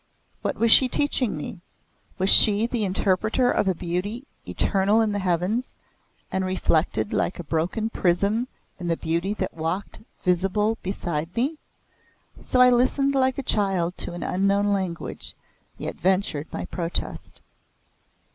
What was she teaching me? Was she the Interpreter of a Beauty eternal in the heavens, and reflected like a broken prism in the beauty that walked visible beside me? So I listened like a child to an unknown language, yet ventured my protest.